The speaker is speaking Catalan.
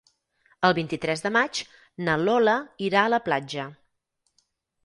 El vint-i-tres de maig na Lola irà a la platja.